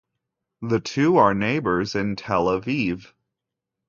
The two are neighbors in Tel Aviv.